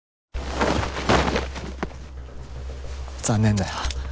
残念だよ。